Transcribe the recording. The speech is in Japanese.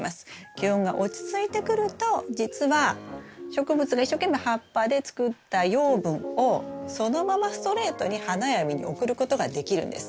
気温が落ち着いてくるとじつは植物が一生懸命葉っぱで作った養分をそのままストレートに花や実に送ることができるんです。